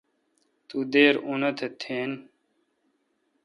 تو دیر اونت تھین۔